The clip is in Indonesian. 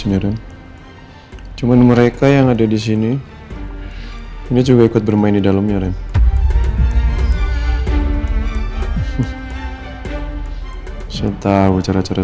ya rem cuman mereka yang ada di sini ini juga ikut bermain di dalamnya rem saya tahu cara cara